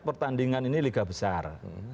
pertandingan ini liga besar